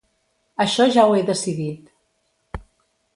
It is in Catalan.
Això ja ho he decidit.